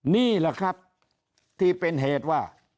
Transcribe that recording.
นี่แหละครับที่เป็นเหตุว่า